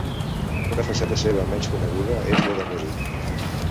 Una faceta seva menys coneguda és la de músic.